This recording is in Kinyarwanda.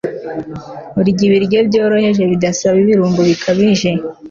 urya ibyokurya byoroheje bidasaba ibirungo bikabije